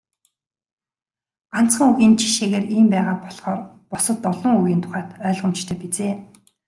Ганцхан үгийн жишээгээр ийм байгаа болохоор бусад олон үгийн тухайд ойлгомжтой биз ээ.